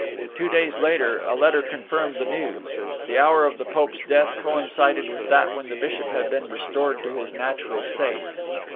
Two days later a letter confirmed the news. The hour of the Pope's death coincided with that when the Bishop had been restored to his natural state.